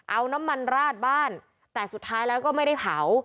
เอาน้ำมันราดบ้านแต่สุดท้ายแล้วก็ไม่ได้เผา